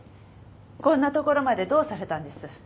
こんなところまでどうされたんです？